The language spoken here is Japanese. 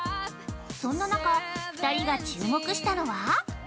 そんな中、２人が注目したのは◆